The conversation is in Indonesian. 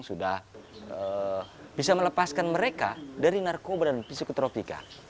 sudah bisa melepaskan mereka dari narkoba dan psikotropika